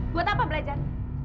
buat apa belajar